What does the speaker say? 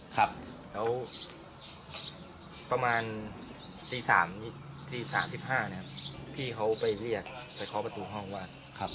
แล้วประมาณ๔๓๔๕นพี่เขาไปะเรียกใส่คอประตูห้องว่า